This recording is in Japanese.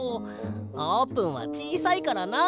あーぷんはちいさいからな。